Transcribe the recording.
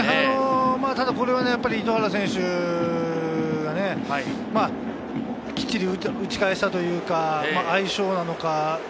これはやっぱり糸原選手がきっちり打ち返したというか、相性なのか。